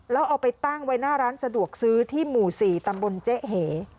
แล้วเอาไปตั้งไว้หน้าร้านสะดวกซื้อที่หมู่๔ตำบลเจ๊เห